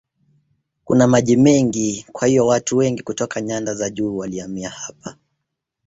Kuna maji mengi kwa hiyo watu wengi kutoka nyanda za juu walihamia hapa.